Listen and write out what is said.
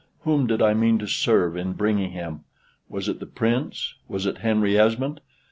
Whom did I mean to serve in bringing him? Was it the Prince? was it Henry Esmond?